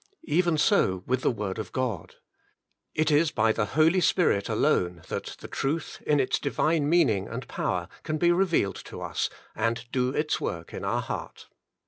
Even so with the Word of God. It is by the Holy Spirit alone that the truth in its divine meaning and power can be revealed to us, and do its work in our heart.